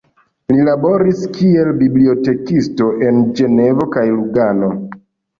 Li laboris kiel bibliotekisto en Ĝenevo kaj Lugano.